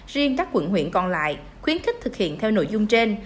riêng các quận huyện còn lại khuyến khích thực hiện theo nội dung trên